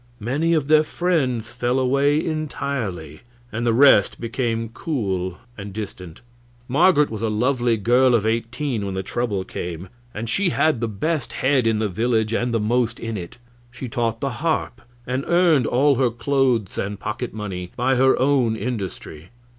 Many of their friends fell away entirely, and the rest became cool and distant. Marget was a lovely girl of eighteen when the trouble came, and she had the best head in the village, and the most in it. She taught the harp, and earned all her clothes and pocket money by her own industry.